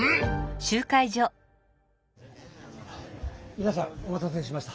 みなさんお待たせしました。